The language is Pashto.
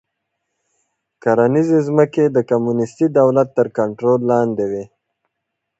کرنیزې ځمکې د کمونېستي دولت تر کنټرول لاندې وې